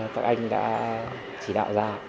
các anh đã chỉ đạo ra